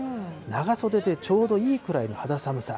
長袖でちょうどいいぐらいの肌寒さ。